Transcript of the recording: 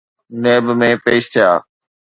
NAB ۾ پيش ٿيا.